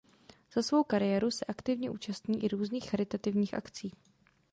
Za svou kariéru se aktivně účastní i různých charitativních akcí.